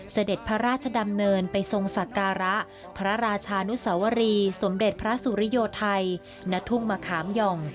เสด็จพระราชดำเนินไปทรงศักระพระราชานุสวรีสมเด็จพระสุริโยไทยณทุ่งมะขามหย่อง